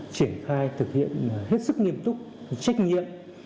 triển khai thực hiện hết sức nghiêm túc trách nhiệm